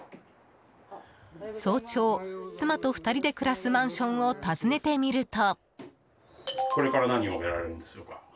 早朝、妻と２人で暮らすマンションを訪ねてみると。